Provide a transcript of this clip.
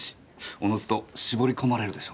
おのずと絞り込まれるでしょうね。